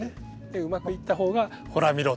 でうまくいった方がほら見ろ。